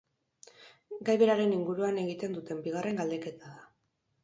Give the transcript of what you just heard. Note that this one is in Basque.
Gai beraren inguruan egiten duten bigarren galdeketa da.